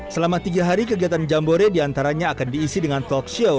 selama tiga hari kegiatan jambore diantaranya akan diisi dengan talk show